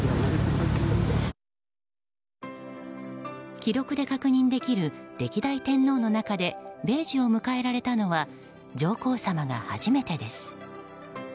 記録で確認できる歴代天皇の中で米寿を迎えられたのは上皇さまが初めてです。